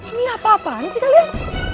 ini apa apaan sih kalian